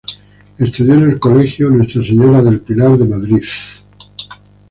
Estudió en el Colegio Nuestra Señora del Pilar de Madrid.